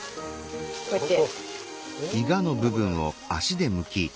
こうやって。